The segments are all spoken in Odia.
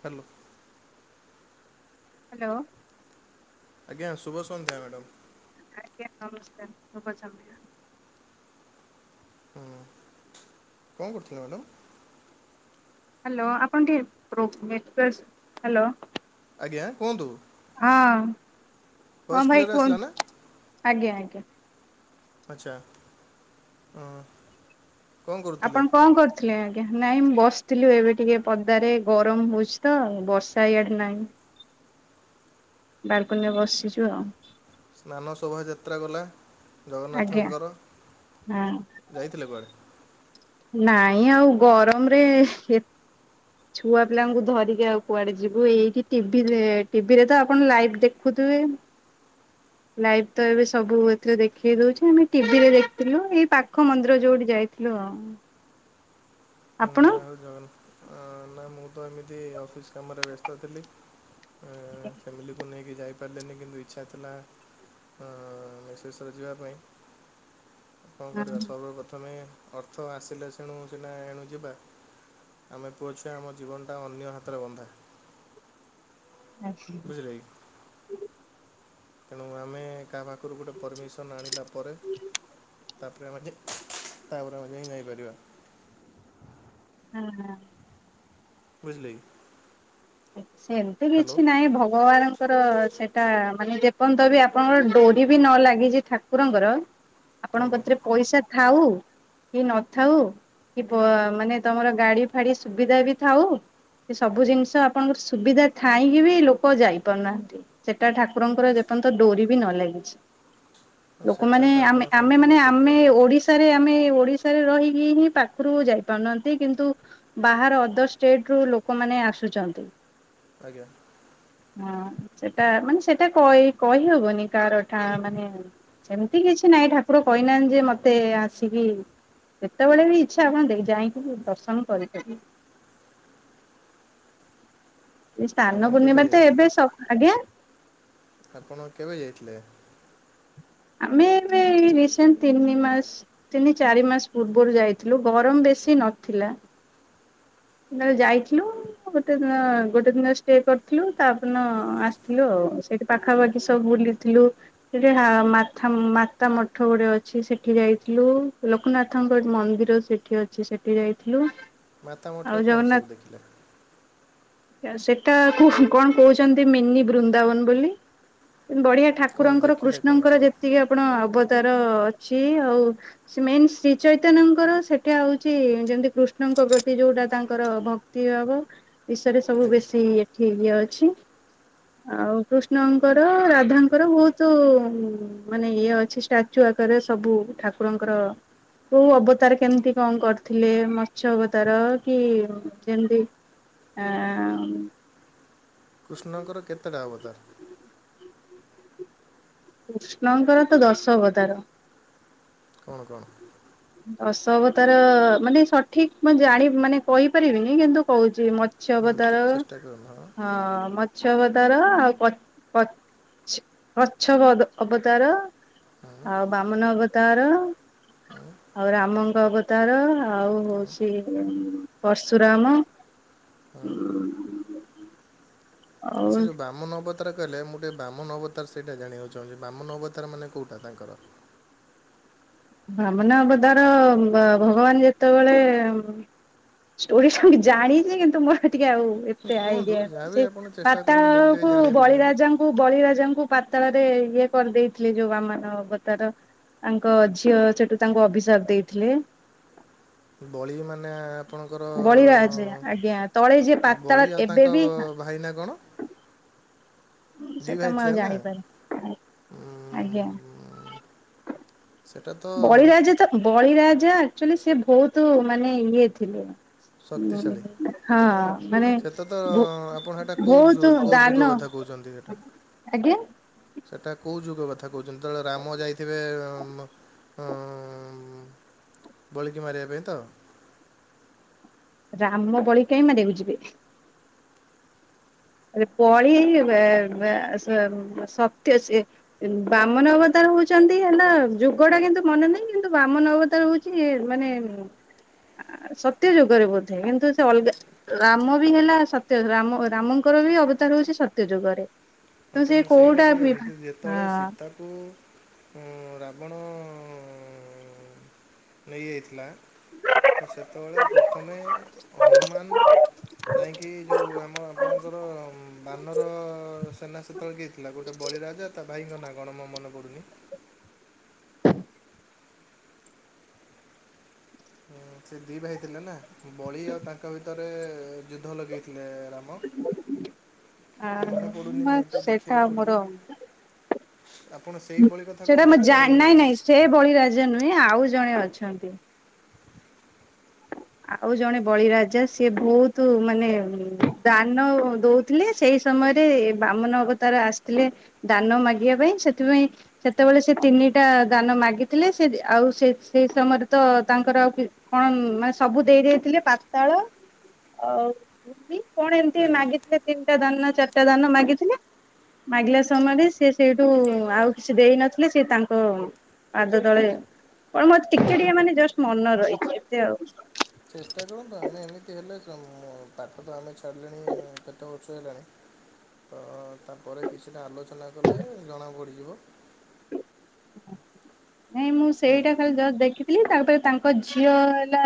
ହ୍ୟାଲୋ। ହ୍ୟାଲୋ। ଆଜ୍ଞା, ଶୁଭ ସନ୍ଧ୍ୟା ମ୍ୟାଡ଼ମ୍। ଆଜ୍ଞା ନମସ୍କାର ଶୁଭସନ୍ଧ୍ୟା। ହୁଁ, କଣ କରୁଥିଲେ ମ୍ୟାଡ଼ାମ୍? ହ୍ୟାଲୋ, ଆପଣ ଟିକେ ପ୍ରୋ [inaudible] ହ୍ୟାଲୋ। ଆଜ୍ଞା କୁହନ୍ତୁ? ହଁ, ହଁ ଭଏସ୍ ଭାଇ କ୍ଲିଅର୍ ଆସିଲା କୁହନ୍? ନା ଆଜ୍ଞା, ଆଜ୍ଞା। ଆଚ୍ଛା ଅଁ। ଆପଣ କଣ କରୁ ଥିଲେ ଆଜ୍ଞା, ନାଇଁ ମୁଁ ବସିଥିଲୁ ଏବେ ଟିକେ ପଦାରେ, ଗରମ ହଉଛି ତ! ବର୍ଷା ଇଆଡେ ନାଇଁ। ବାଲ୍ କୁନିରେ ବସିଚୁ ଆଉ। ସ୍ନାନ ଶୋଭାଯାତ୍ରା ଗଲା ଆଜ୍ଞା ଜଗନ୍ନାଥଙ୍କର। ହଁ ଯାଇଥିଲେ କୁଆଡ଼େ? ନାଇଁ, ଆଉ ଗରମରେହ୍ ଏତ୍ ଛୁଆ ପିଲାଙ୍କୁ ଧରିକି ଆଉ କୁଆଡେ ଯିବୁ। ଏଇଠି ଟିଭିରେ ଟିଭିରେ ତ ଆପଣ ଲାଇଭ୍ ଦେଖୁଥିବେ। ଲାଇଭ୍ ତ ଏବେ ସବୁୁ ଏଥିରେ ଦେଖେଇ ଦଉଛି। ଆମେ ଟିଭିରେ ଦେଖିଥିଲୁ, ଏଇ ପାଖ ମନ୍ଦିର ଯୋଉଠି ଯାଇଥିଲୁ। ଲୋଁ। ହୁଁ, ଯା ହଉ ଜଗନ୍ ନା, ମୁଁ ତ ଏମିତି ଅଫିସ୍ କାମରେ ବ୍ୟସ୍ତ ଥିଲି। ଏଁ ଫ୍ୟାମିଲିକୁ ନେଇକି ଯାଇପାରିଲିନି। କିନ୍ତୁ ଇଚ୍ଛା ଥିଲା। ଅଁ-ଅ ଶେଷରେ ଯିବା ପାଇଁ କଣ କରିବା? ହଁ ସର୍ବପ୍ରଥମେ ଅର୍ଥ ଆସିଲେ, ସେଣୁ ସିନା ଏଣୁ ଯିବା, ଆମେ ପୁଅଛୁଆ ଆମ ଜୀବନଟା ଅନ୍ୟ ହାତରେ ବନ୍ଧା। ହଁ ବୁଝିଲେକି? ତେଣୁ ଆମେ କାହା ପାଖ୍ ଉପୁରୁ ଗୋଟେ ପରମିସନ୍ ଆଣିଲା ପରେ, ତା'ପରେ ଆମେ ଯେ ତା'ପରେ ଆମେ ଯାଇଁ ଯାଇପାରିବା। [inaudible] ବୁଝିଲେ କି? ସେମିତି ହ୍ୟାଲୋ କିଛି ନାହିଁ ଭଗବାନ ଙ୍କର ସେଟା ମାନେ ଯେପନ୍ତ ବି ଆପଣଙ୍କର ଡୋରି ବି ନ ଲାଗିଛି ଠାକୁରଙ୍କର ଆପଣଙ୍କ ଆଜ୍ଞା କତିରେ ପଇସା ଥାଉ କି ନଥାଉ କି ମାନେ ତମର ଗାଡ଼ି ଫାଡ଼ି ସୁବିଧା ବି ଥାଉ ସେ ସବୁ ଜିନିଷ ଆପଣଙ୍କର ସୁବିଧା ଥାଇଁକି ବି ଲୋକ ଯାଇପାରୁନାହାନ୍ତି। ସେଟା ଠାକୁରଙ୍କର ଯେପଯ୍ୟନ୍ତ ଡୋରି ବି ନ ଲାଗିଛି। ହଁ ସେଟା ଲୋକମାନେେ ତ ଆପଣ ଆମେ ସମ୍ପୂର୍ଣ୍ଣ ମାନେ ଠିକ୍ ଆମେ କହିଲେ ଓଡିଶା ଓଶାରେ ଆମେ ଓଡିଶାରେ ରହିକି ହିଁ ପାଖରୁ ଯାଇପାରୁନାହାନ୍ତି। କିନ୍ତୁ ବାହାର ଅଦର ଷ୍ଟେଟ୍ ରୁ ଲୋକମାନେ ଆସୁଚନ୍ତି। ଆଜ୍ଞା। ହଁ ସେଇଟା ମାନେ ସେଇଟା କଇ କହିହବନି କାହାରଠା ମାନେ ସେମିତି କିଛି ନାହିଁ ଠାକୁର କହିନାହାନ୍ତି ଯେ ମତେ ଆସିକି ଯେତେବେଳେ ବି ଇଚ୍ଛା ହବ ଦେଇି ଯାଇକି ଦର୍ଶନ କରିପାରିବ। ଏ ଆପଣ ସ୍ନାନ କେବେ ପୂର୍ଣ୍ଣିମାରେ ତ ଯାଇଥିଲେ ଏବେ ସ ଆଜ୍ଞା। ଆପଣ କେବେ ଯାଇଥିଲେ? ଆମେ ଏବେ ଏଇ ରିସେଣ୍ଟ ତିନି ମାସ ତିନି ଚାରି ମାସ ପୂର୍ବରୁ ଯାଇଥିଲୁ ଗରମ ବେଶି ନଥିଲା। [inaudible] ଯାଇଥିଲୁ। ଗୋଟେ ଦିନ ଗୋଟେ ଦିନ ଷ୍ଟେ କରିଥିଲୁ ତାପର ଦିନ ଆସିଥିଲୁ ଆଉ ସେଇଠି ପାଖାପାଖି ସବୁ ବୁଲି ଥିଲୁ। ସେଡା ମାଥା ମାତା ମଠ ଗୋଟେ ଅଛି ସେଠି ଯାଇଥିଲୁ ଲୋକନାଥଙ୍କ ଗୋଟେ ମନ୍ଦିର ସେଠି ଅଛି ସେଠି ଯାଇଥିଲୁ। ମାତା ଆଉ ମଠରେ କଣ ସବୁ ଦେଖିଲେ? ଏ ସେଟା କଣ କହୁଛନ୍ତି ମିନି ବୃନ୍ଦାବନ ବୋଲି ବଢିଆ କଣ ଠାକୁରଙ୍କର ଦେଖିଲେ କଣ କୃଷ୍ଣଙ୍କର ସବୁ ଯେତିକି ଆପଣ ଅବତାର ଅଛି ଆଉ ସି ମିନ୍ସ ଶ୍ରୀ ଚୈତନ୍ୟଙ୍କର ସେଟା ହଉଛି ଯେମତି କୃଷ୍ଣଙ୍କ ପ୍ରତି ଯୋଉଟା ତାଙ୍କର ଭକ୍ତି ଭାବ ବିଷୟରେ ସବୁ ଆଜ୍ଞା ବେଶି ଏଠି ଇଏ ଅଛି। ଆଉ କୃଷ୍ଣଙ୍କର ରାଧାଙ୍କର ବହୁତ ମାନେ ଇଏ ଅଛି ଷ୍ଟାଚୁ ଆକାରରେ ସବୁ ଠାକୁରଙ୍କର କୋଉ ଅବତାର କେମିତି କଣ କରିଥିଲେ ମଛ ଅବତାର? କି ଯେମତି ଆମ୍ କୃଷ୍ଣଙ୍କର କେତେଟା ଅବତାର? କୃଷ୍ଣଙ୍କର ତ ଦଶ ଅବତାର। ଓହୋ। ଦଶ ଅବତାର ଅ ମାନେ ସଠିକ୍ ମୁଁ ଜାଣି ମାନେ କହିପାରିବିନି କିନ୍ତୁ କହୁଛି ମତ୍ ମତ୍ସ୍ୟ ହୁଁ ତ ଅବତାର ଚେଷ୍ଟା କରନ୍ତୁ ହଁ ମତ୍ ମଛ୍ଯ ଅବତାର ଆଉ କଚ୍ କଚ୍ କଛବ ଅବ ଅବତାର। ହୁଁ ଆଉ ବାମନ ଅବତାର। ହୁଁ ଆଉ ରାମଙ୍କ ଅବତାର ଆଉ ହଉଛି ପର୍ଶୁରାମ। ହଁ ଆଉ ଆ ସେ ଯଉ ବାମନ ଅବତା ଅବତାର କହିଲେ ମୁଁ ଟିକେ ବାମନ ଅବତାର ସେଇଟା ଜାଣିବାକୁ ଚାହୁଁଛି ବାମନ ଅବତାର ମାନେ କୋଉଟା ତାଙ୍କର ବାମନ ଅବତାର ବ ଭଗବାନ ଯେତେବେଳେ ଷ୍ଟୋରି ସୁଣି ଜାଣିଚି କିନ୍ତୁ ମୋର ଟିକେ ଆଉ ଏତ୍ ସେଇଆ କୁହନ୍ତୁ ହେଇଥିବ ଯାହାବି ସେ ଆପଣ ଚେଷ୍ଟା କରନ୍ତୁ ମୁଁ ବି ଟିକେ ପାତାଳକୁ ଜାଣିବାକୁ ଚାହିଁବି ବଳିରାଜାଙ୍କୁ କୁ ବଳିରାଜାଙ୍କୁ ପାତାଳ ରେ ଇଏ କରିଦେଇଥିଲି ଯୋଉ ବାମନ ଅବତାର ତାଙ୍କ ଝି ଝିଅ ସେଠୁ ତାଙ୍କୁ ଅଭିଶାପ ଦେଇଥିଲେ। ବଳି ମାନେ ଆପଣଙ୍କର ବଳିରାଜ ଅ ଆଜ୍ଞା ତଳେ ଯିଏ ପାତାଳ ବଳି ଏବେ ତାଙ୍କ ବି ଭାଇ ନା କଣ? ଦି ସେଟା ଭାଇ ମୁଁ ଆଉ ଥିଲେ ନା ଜାଣିପାରି ଆଗ୍ ଆଜ୍ଞା। ସେଟା ତ ବଳିରାଜା ତ ବଳିରାଜା ଆକ୍ଚୁଆଲି ସେ ବହୁତ ମାନେ ଇଏ ଥିଲେ। ଶକ୍ତିଶାଳୀ ହଁ ମାନେ ସେଟା ତ ବୋ ଆପଣ ସେଟା କୋଉ ଯୁ ବହୁତ କୋଉ ଯୁଗ ଦାନ। କଥା କହୁଛନ୍ତି ସେଟା ଆଜ୍ଞା ସେଟା କୋଉ ଯୁଗ କଥା କହୁଛନ୍ତି ଯେତେବେଳେ ରାମ ଯାଇଥିବେ ତ ଉଁ ବଳିକି ମାରିବା ପାଇଁ ତ ରାମ ବଳିକି କାଇଁ ମାରିବାକୁ ଯିବେ। ବଳି ବେ ବେ ସେ ସତ୍ୟ ସିଏ। ବାମନ ଅବତାର ହଉଛନ୍ତି ହେଲା ଯୁଗଟା କିନ୍ତୁ ମନେ ନାହିଁ କିନ୍ତୁ ବାମନ ଅବତାର ହଉ କି ମାନେ? ସତ୍ୟ ଯୁଗରେ ବୋଧେ କିନ୍ତୁ ସେ ଅଲଗା ରାମ ବି ହେଲା ସତ୍ୟ ରାମ ଙ୍କର ବି ଅବତାର ହଉଛି ସତ୍ୟ ଯୁଗରେ। ହଁ ତ ସେ ମୁଁ ସେଇଟା କୋଉଟା ବି ହଁ କହିବାକୁଛନ୍ତି ଯେତେବେଳେ ସୀତାକୁ ରାବଣ ନେଇଯାଇଥିଲା ତ ସେତେବେଳେ ପ୍ରଥମେ ହନୁମାନ ଯାଇକି ଯଉ ଆମ ଆପଣଙ୍କର ବାନର ସେନା ସେ ତ କିଏ ଥିଲା ଗୋଟେ ବଳି ରାଜା ତା ଭାଇଙ୍କ ନାଁ କଣ ମୋ ମନେ ପଡୁନି। ସେ ଦି ଭାଇ ଥିଲେ ନା ବଳି ଆଉ ତାଙ୍କ ଭିତରେ ଯୁଦ୍ଧ ଲଗେଇଥିଲେ ରା ମ ପଡ଼ୁିନି ନେଟରେ ସେଟା ଦେଖିବାକୁ ମୋର ପଡ଼ିବ। ଆପଣ ସେଇ ବଳି କଥା ସେଇଟା ମୁଁ କହୁଛନ୍ତି ନା ଜାଣି ଅନ୍ୟ ନାଇଁ ବଳି ନାଇଁ କଥା। ସେ ବଳି ରାଜା ନୁହେଁ ଆଉ ଜଣେ ଅଛନ୍ତି। ଆଉ ଜଣେ ବଳିରାଜା ସିଏ ବହୁତ ମାନେ ଦାନ ଦଉ ଥିଲେ ସେଇ ସମୟରେ ବାମନ ଅବତାର ଆସିଥିଲେ ଦାନ ମାଗିବା ପାଇଁ ସେଥିପାଇଁ ସେତେବେଳେ ସେ ତିନିଟା ଦାନ ମାଗିଥିଲେ ସେ ଆଉ ସେ ସେଇ ସମୟରେ ତ ତାଙ୍କର ଆଉ କଣ ନା ସବୁ ଦେଇ ଦେଇଥିଲେ ପାତାଳ ଆଉ କଣ ଏମିତି ଆଜ୍ଞା ମାଗିଥିଲେ? ତିନିଟା ଦାନ ନା ଚାରଟା ଦାନ ମାଗିଥିଲେ। ମାଗିଲା ସମୟରେ ସେ ସେଇଠୁ ଆଉ କିଛି ଦେଇନଥିଲେ ସେ ତାଙ୍କ ପାଦ ତଳେ କ ମୋର ଟିକେଟିକେ ମାନେ ଜଷ୍ଟ ମନ ରହିଛି ଏତେ ଆଉ ଚେଷ୍ଟା କରନ୍ତୁ ଆମେ ଏମିତି ହେଲେ ସବୁ ମୁଁ ପାଠ ତ ଆମେ ଛାଡ଼ିଲେଣି କେତେ ବର୍ଷ ହେଲାଣି ତ ତାପରେ କିଛିଟା ଆଲୋଚନା କଲେ ଜଣାପଡ଼ିଯିବ। ନାଇଁ ମୁଁ ନାଇଁ କି ସେଇଟା ଖାଲି ଦେଖିଥିଲି ତାପରେ ତାଙ୍କ ଝିଅ ହେଲା।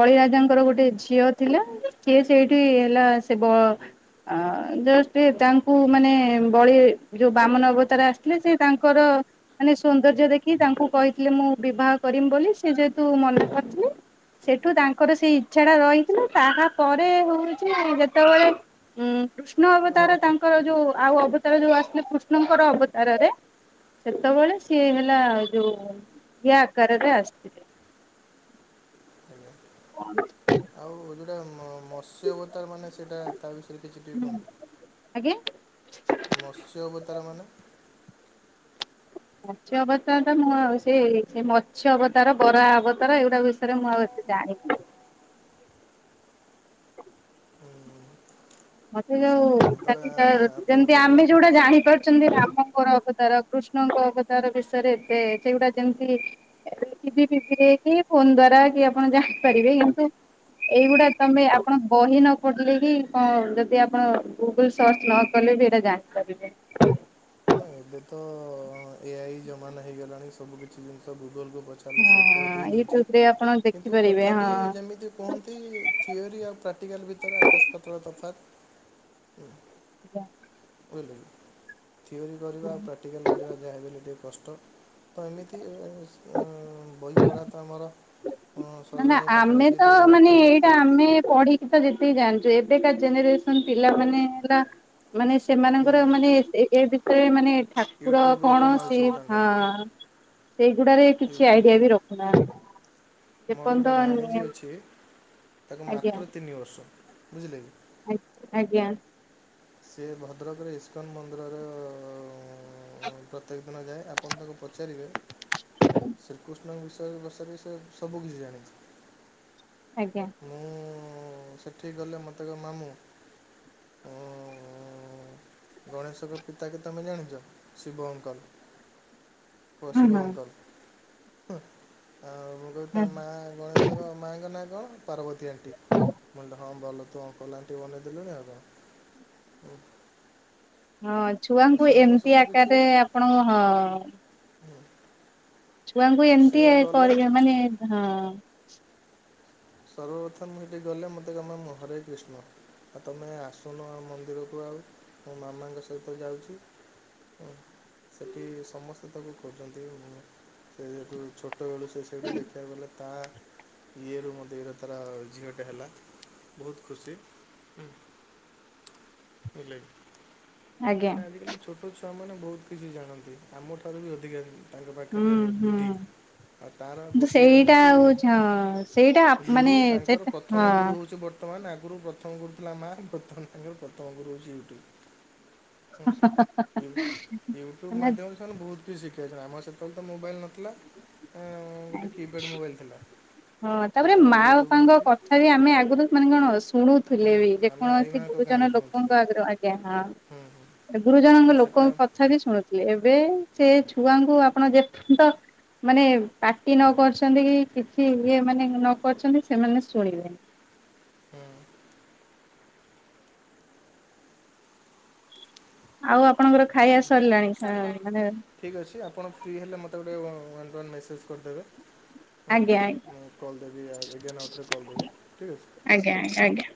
ବଳିରାଜାଙ୍କର ଗୋଟେ ଝିଅ ଥିଲା ସିଏ ସେଇଠି ହେଲା ସେ ବ ଅଁ ଯେ ସେ ତାଙ୍କୁ ମାନେ ବଳି ଯେଉଁ ବାମନ ଅବତାର ଆସିଥିଲେ ସେ ତାଙ୍କର ମାନେ ସୌନ୍ଦର୍ଯ୍ୟ ଦେଖି ତାଙ୍କୁ କହିଥିଲେ ମୁଁ ବିବାହ କରିମ ବୋଲି ସେ ଯେହେତୁ ମନା କରିଥିଲେ। ସେଠୁ ତାଙ୍କର ସେଇ ଇଚ୍ଛାଟା ରହିଥିଲା ତାହା ପରେ ହଉଛି ଯେତେବେଳେ ଉଁ କୃଷ୍ଣ ଅବତାର ତାଙ୍କର ଯୋଉ ଆଉ ଅବତାର ଯୋଉ ଆସିଲେ କୃଷ୍ଣଙ୍କର ଅବତାରରେ ଯେତେବେଳେ ସିଏ ହେଲା ଯୋଉ ଇଏ ଆକାରରେ ଆସିଥିଲେ। [inaudible] [inaudible] ଆଉ ଯୋଉଟା ମ ମତ୍ସ୍ୟ ଅବତାର ମାନେ ସେଇଟା ତା ବିଷୟରେ କିଛି ଟିକେ କହି ଆଜ୍ଞା। ମତ୍ସ୍ୟ ଅବତାରମାନେ। ମତ୍ସ୍ୟ ଅବତାର ମୁଁ ଆଉ ସେ ସେ ମତ୍ସ୍ୟ ଅବତାର ବରା ଅବତାର ଏଇଗୁଡା ବିଷୟରେ ମୁଁ ଆଉ ଏତେ ଜାଣିନି। ମତେ ଆଚ୍ଛା ଯୋଉ ଯେତେବେଳେ ଖାଲି ଯେମତି ଆପଣଙ୍କର ଆମେ ଯୋଉଟା ଜାଣିପାରୁଛୁ। ଛନ୍ତି ରାମଙ୍କର ଅବତାର କୃଷ୍ଣଙ୍କ ଅବତାର ବିଷୟରେ ଏବେ ସେଗୁଡା ଯେମିତି ଟିଭି ପିଭି କି ଫୋନ ଦ୍ଵାରା କି ଆପଣ ଜାଣିପାରିବେ କିନ୍ତୁ ଏଇଗୁଡା ତମେ ଆପଣ ବହି ନ ପଢିଲେ କି କଣ। ଯଦି ଆପଣ ଗୁଗୁଲ ସର୍ଚ୍ଚ ନ କଲେ ବି ଏଇଟା ଆପଣ ଜାଣିପାରିବେ। ହଁ ଏବେ ତ ଏଆଇ ଜମାନା ହେଇଗଲାଣି ସବୁ କିଛି ଜିନିଷ ଗୁଗୋଲକୁୁ ପଚା ଚାରିଲେ ଉତ୍ତର ହଁ ଦେଇ ଦଉଛି ୟୁଟ୍ୟୁବରେ ଆପଣ କିନ୍ତୁ ଦେଖିପାରିବେ ତଥାପି ହଁ। ଯେମି କୁହନ୍ତି ଥିଓରି ଆଉ ପ୍ରାକ୍ଟିକାଲ୍ ଭିତରେ ଆକାଶପାତାଳ ତଫାତ। [inaudible] ବୁଝିଲେ ଥିଓରି କରିବା ପ୍ରାକ୍ଟିକାଲ୍ କରିବା ଯାହାବ ହେଲେ ଟିକେ କଷ୍ଟ। ତ ଏମିତି ବହି ପଢ଼ା ତ ଆମର ନା ନା ସରିଲାଣି ଆମେ ପାଖାପାଖି ତ ଦୁଇହଜାର ମାନେ ଅଠରରୁ ଏଇଟା ଆମେ ପଢିକି ତ ଯେତିକି ଜାଣିଛୁ ଏବେକା ଜେନେରେସନ ପିଲାମାନେ ହେଲା ମାନେ ହୁଁ ସେମାନଙ୍କର ମାନେ ଏ ବିଷୟରେ ମାନେ ଠାକୁର ୟୁଟ୍ୟୁବ୍ର କଣ କମାଲ୍ ସେ ସବୁ ହଁ ତାଙ୍କର ସେଇଗୁଡାରେ କିଛି ୟୁଟ୍ୟୁବ୍ ଆଇଡିଆ ବି ରଖୁନାହାନ୍ତି। ମୋର ଯେପର୍ଯ୍ୟନ୍ତ ଗୋଟେ ଭାଣୀଜୀ ଅଛି ତାକୁ ମାତ୍ର ତିନି ବର୍ଷ ବୁଝିଲେ କି। ଆଜ୍ଞା ଆଜ୍ଞା। ସେ ଭଦ୍ରକରେ ଇସ୍କନ ମନ୍ଦିରର ପ୍ରତକ। ଦିନ ଯାଏ ଆପଣ ତାଙ୍କୁ ପଚାରିବେ ଶ୍ରୀକୃଷ୍ଣଙ୍କ ବିଷୟରେ ବସାରିକି ସେ ସବୁ କିିଛି ଜାଣିଚି। ଆଜ୍ଞା। ମୁଁ ସେଠି ଗଲେ ମୋତେ କହେ ମାମୁଁ। ଗଣେଶଙ୍କ ପିତା କେ ତମେ ଜାଣିଛ ଶିବ ଅଙ୍କଲ। ହଁ ପଶିବ ହଁ ଅଙ୍କଲ ହେଁ ଆଉ ମୁଁ କ ତା ହଁ। ମା ଗଣେଶ। ତା ମାଙ୍କ ନାଁ କଣ ପାର୍ବତୀ ଆଣ୍ଟି। [unintelligible] ଅଙ୍କଲ ଆଣ୍ଟି ବନେଇ ଦେଲୁଣି ଆଉ କଣ। ହଁ ତ ଛୁଆଙ୍କୁ ସେମାନେ ଏମିତି ସବୁ କିଛି ଆକାରରେ ଆପଣ ହଁ। ହୁଁ ଛୁଆଙ୍କୁ ଆଉ ଏମିତି ସିଏ ଗଲେ କର ମାନେ ହଁ। ସର୍ବପ୍ରଥମ ମୁଁ ସେଇଠି ଗଲେ ମୋତେ କହେ ମାମୁଁ ହରେ କୃଷ୍ଣ। ଆଉ ତୁମେ ଆସୁନ ଆ ମନ୍ଦିରକୁ ଆଉ ମୋ ମାମାଙ୍କ ସହିତ ଯାଉଛି। ହଁ ସେଠି ସମସ୍ତେ ତାକୁ ଖହୁଛନ୍ତି ସେ ଛୋଟବେଳୁ ସେ ସେଇଠୁ ଦେଖିବାକୁ ଗଲେ ତା ଇଏରୁ ମଧ୍ୟ ଦୁଇଟା ତାର ଝିଅଟେ ହେଲା ବହୁତ ଖୁସି। ବିଲେଇ। ଆଜ୍ଞା। ଆଜିକାଲି ଛୋଟ ଛୁଆ ମାନେ ବହୁତ କିଛି ଜାଣନ୍ତି ଆମ ଠାରୁ ବି ଅଧିକା। ତାଙ୍କ ହୁଁ ପାଖରେ ହୁଁ ବୁଡି ଆଉ ତାର କିନ୍ତୁ ଗୋଟିଏ ସେଇଟା ହେଉଛି। ହଉଛି ହଁ ସେଇଟା ଗୁରୁ ମାନେ ତାଙ୍କର ସେଟା ହଁ ପ୍ରଥମ ଗୁରୁ ହେଉଛି ବ ବର୍ତ୍ତମାନ ଆଗରୁ ପ୍ରଥମ ଗୁରୁଥିଲା ମା ବର୍ତ୍ତମାନ ଆଗରୁ ପ୍ରଥମ ଗୁରୁ ହେଉଛି ୟୁଟ୍ୟୁବ୍। ହଁ ୟୁ ୟୁଟ୍ୟୁବ ମାନେ ମାଧ୍ୟମ ସେମାନେ ବହୁତ କିଛି ଶିଖିବା ଅଛନ୍ତି ଆମର ସେତେବେଳେ ତ ମୋବାଇଲ୍ ନଥିଲା ଅ ଗୋଟେ କିପ୍ୟାଡ଼୍ ମୋବାଇଲ୍ ଥିଲା। ହଁ ତାପରେ ସେତେବେଳେ ମା ୟୁଟ୍ୟୁବ୍ ବାପାଙ୍କ ନଥିଲା କଥା ବି ଆମେ ଆଗରୁ ମାନେ କଣ ଶୁଣୁଥିଲେ ହୁଁ ବି ଦେ ଆମେ କୌଣସି ଆଇମାଙ୍କ କାହାଣୀ ଗୁରୁଜନ ଶୁଣୁଥିଲେ ଲୋକଙ୍କ ଆଗରୁ ଆଜ୍ଞା ହୁଁ ହୁଁ ହଁ ତ ଗୁରୁଜନଙ୍କ ସେଟା ଲୋକଙ୍କ କଥା ବିି ଶୁଣୁଥିଲେ ଏବେ ସେ ଛୁଆଙ୍କୁ ଆପଣ ଯେତେ ତ ମାନେ ପାଟି ନ କରଛନ୍ତି କି କିଛି ଇଏ ମାନେ ନ କରିଛନ୍ତି ସେମାନେ ଶୁଣିବେନି। ହଁ। ଆଉ ଆପଣଙ୍କର ଖାଇବା ସରିଲାଣି ଅ ସରିଲାଣି। ମାନେ ଠିକ୍ ଅଛି ଆପଣ ଫ୍ରି ହେଲେ ମୋତେ ଗୋଟେ ୱାନ୍ ୱାନ୍ ମେସେଜ୍ କରିଦେବେ। ହୁଁ ଆଜ୍ଞା ଆଜ୍ଞା ମୁଁ କଲ୍ ଦେବି ଏଗେନ ଆଉ ଥରେ କଲ୍ ଦେବି ଠିକ୍ ଅଛି। ଆଜ୍ଞ ଆଜ୍ଞ ଆଜ୍ଞା।